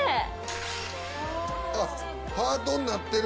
あっハートになってる！